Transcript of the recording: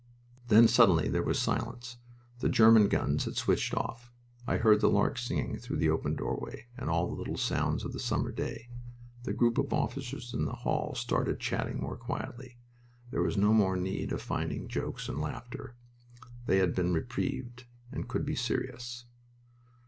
Then suddenly there was silence. The German guns had switched off. I heard the larks singing through the open doorway, and all the little sounds of a summer day. The group of officers in the hall started chatting more quietly. There was no more need of finding jokes and laughter. They had been reprieved, and could be serious.